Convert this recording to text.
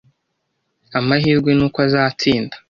Amahirwe nuko azatsinda.